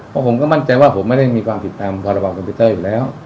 เพราะผมก็มั่นใจว่าผมไม่ได้มีความผิดตามพรบคอมพิวเตอร์อยู่แล้ว